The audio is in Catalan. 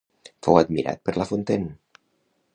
Fou admirat per La Fontaine.